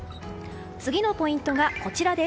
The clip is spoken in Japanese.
次のポイントがこちらです。